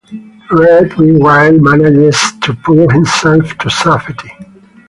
Red meanwhile manages to pull himself to safety.